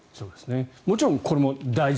もちろんこれも大事。